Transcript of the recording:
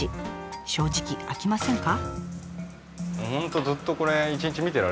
正直飽きませんか？